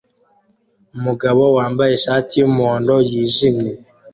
Umugabo wambaye ishati yumuhondo yijimye